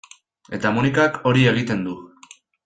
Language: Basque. Eta Monikak hori egiten du.